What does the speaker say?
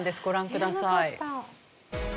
ご覧ください。